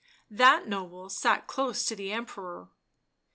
That noble sat close to the Em peror.